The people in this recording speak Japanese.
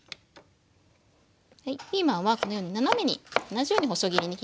はいピーマンはこのように斜めに同じように細切りに切って下さい。